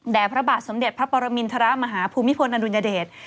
พระบาทสมเด็จพระปรมินทรมาฮภูมิพลอดุญเดช